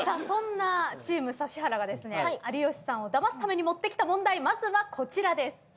そんなチーム指原がですね有吉さんをダマすために持ってきた問題まずはこちらです。